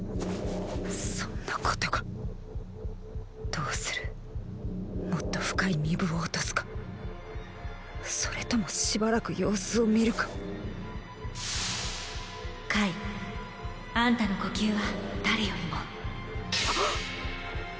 そんなことがどうするもっと深い巫舞を落とすかそれともしばらく様子を見るかあんたの呼吸は誰よりも。！